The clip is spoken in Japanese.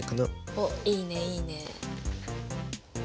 おっいいねいいね。